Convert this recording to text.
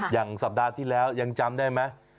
อย่างสัปดาห์ที่แล้วยังจำได้ไหม